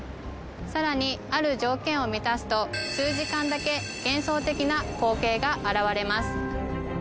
更にある条件を満たすと数時間だけ幻想的な光景が現れます。